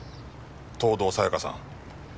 藤堂沙也加さん。